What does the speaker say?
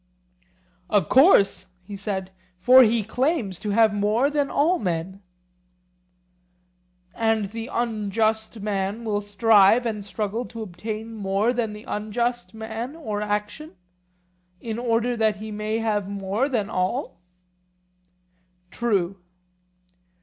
Of course, he said, for he claims to have more than all men. And the unjust man will strive and struggle to obtain more than the unjust man or action, in order that he may have more than all? True.